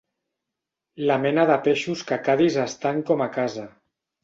La mena de peixos que a Cadis estan com a casa.